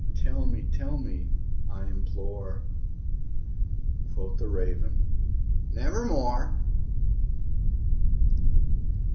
tell me tell me, I implore!" Quoth the Raven, "Nevermore."